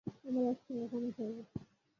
আমরা একসাথে ক্ষমা চাইবো।